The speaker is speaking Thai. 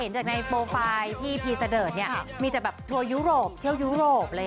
เห็นในโปรไฟล์ที่พี่เสดิฐมีแบบทัวร์ยุโรปเชี่ยวยุโรปเลย